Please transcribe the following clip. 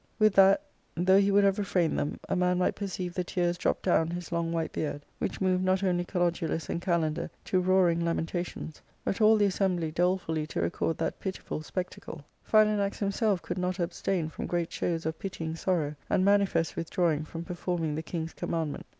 With that, though he would have refrained them, a man might perceive the tears drop down his long white beard, which moved not only Kalodulus and Kalander to roaring lamentations, but all the assembly dolefully to record that pitiful spectacle. Philanax himself could not abstain from great shows of pitying sorrow, and manifest withdrawing from performing the king's commandment.